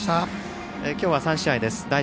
今日は３試合です。